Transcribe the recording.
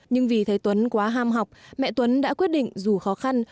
nhưng vì thấy tuấn quá ham học mẹ tuấn đã quyết định dù khó khăn